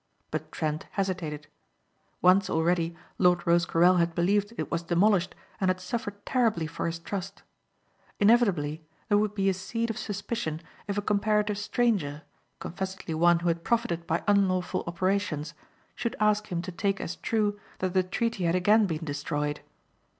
But Trent hesitated. Once already Lord Rosecarrel had believed it was demolished and had suffered terribly for his trust. Inevitably there would be a seed of suspicion if a comparative stranger, confessedly one who had profited by unlawful operations, should ask him to take as true that the treaty had again been destroyed.